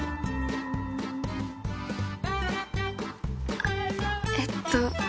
あっえっと